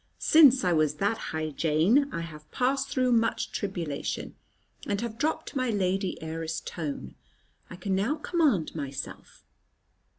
Since I was that high, Jane, I have passed through much tribulation, and have dropped my lady heiress tone. I can now command myself."